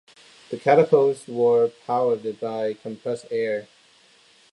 The catapults were powered by compressed air.